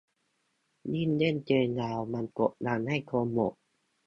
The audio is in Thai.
ยิ่งเล่นเกมยาวมันกดดันให้คนหมด